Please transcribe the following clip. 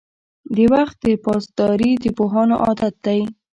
• د وخت پاسداري د پوهانو عادت دی.